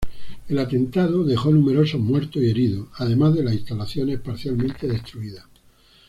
El atentado dejó numerosos muertos y heridos, además de las instalaciones parcialmente destruidas.